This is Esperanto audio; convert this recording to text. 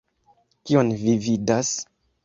Kion vi vidas?